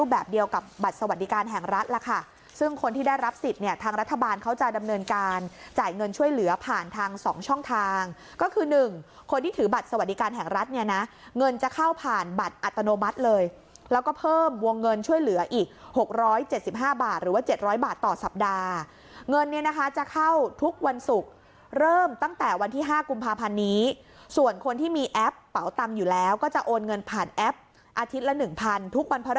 บัตรสวัสดิการแห่งรัฐแล้วค่ะซึ่งคนที่ได้รับสิทธิ์เนี่ยทางรัฐบาลเขาจะดำเนินการจ่ายเงินช่วยเหลือผ่านทางสองช่องทางก็คือหนึ่งคนที่ถือบัตรสวัสดิการแห่งรัฐเนี่ยนะเงินจะเข้าผ่านบัตรอัตโนมัติเลยแล้วก็เพิ่มวงเงินช่วยเหลืออีก๖๗๕บาทหรือว่า๗๐๐บาทต่อสัปดาห์เงินเนี่ยนะคะ